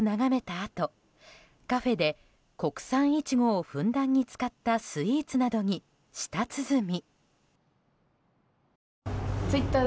あとカフェで国産イチゴをふんだんに使ったスイーツなどに舌つづみ。